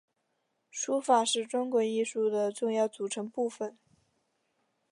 书法是中国艺术的重要组成部份。